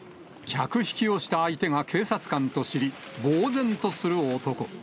客引きをした相手が警察官と知り、ぼう然とする男。